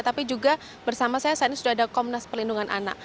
tapi juga bersama saya saat ini sudah ada komnas pelindungan anak